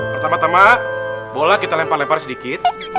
pertama tama bola kita lempar lempar sedikit